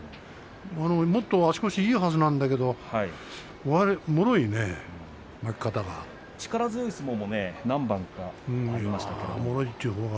もっと足腰いいはずなんだけど力強い相撲も何番か取りましたけど。